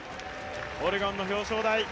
オレゴンの表彰台。